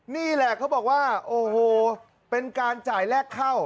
นี่แหละเขาบอกว่าโอ้โหเป็นการจ่ายแลกเข้า